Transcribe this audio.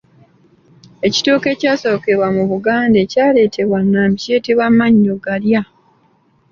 Ekitooke ekyasooka mu Buganda ekyaleetebwa Nnambi kiyitibwa mannyogalya.